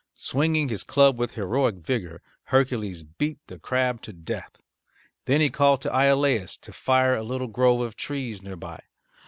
Swinging his club with heroic vigor Hercules beat the crab to death. Then he called to Iolaus to fire a little grove of trees near by.